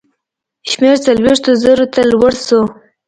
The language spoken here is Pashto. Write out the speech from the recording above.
شمېر څلوېښتو زرو ته لوړ شو.